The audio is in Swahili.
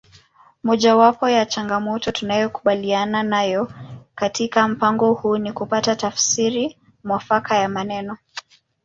Mojawapo ya changamoto tunayokabiliana nayo katika mpango huu ni kupata tafsiri mwafaka ya maneno